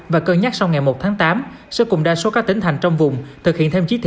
và cơ nhắc sau ngày một tháng tám sẽ cùng đa số các tỉnh thành trong vùng thực hiện thêm chí thị một mươi sáu